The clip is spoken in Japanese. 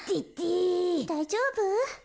だいじょうぶ？